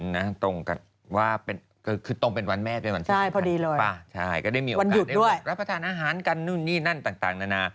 นั่งสวยเนอะยาย่าน